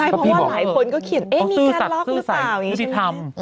เพราะพี่บอกว่าสื่อสัตว์ไม่ได้สิ่งทำ